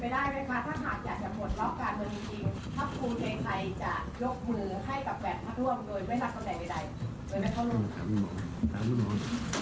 ถามว่าหนู